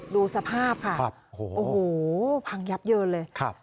ดูสภาพค่ะครับโอ้โหพังยับเยอะเลยครับ